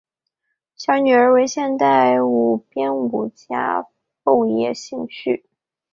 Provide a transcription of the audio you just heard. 小女儿为现代舞编舞家富野幸绪。